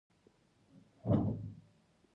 بادي انرژي د افغانستان د ځمکې د جوړښت یوه نښه ده.